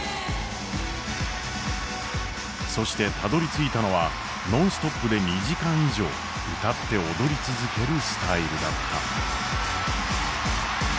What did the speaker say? そしてたどりついたのはノンストップで２時間以上歌って踊り続けるスタイルだった。